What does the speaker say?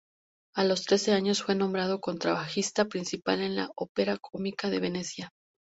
A los trece años, fue nombrado contrabajista principal en la ópera cómica de Venecia.